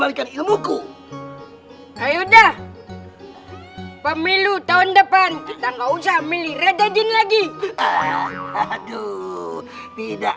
ilmuku pemilu tahun depan